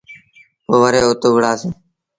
پو وري اُت وُهڙآسيٚݩ۔